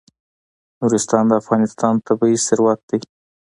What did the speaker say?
نورستان د افغانستان طبعي ثروت دی.